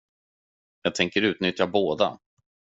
Jag tänker utnyttja båda.